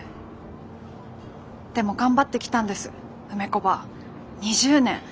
でも頑張ってきたんです梅子ばぁ２０年。